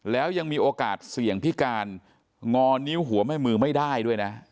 แล้วยังมีโอกาสเสี่ยงพิการงอนิ้วหัวแม่มือไม่ได้ด้วยนะ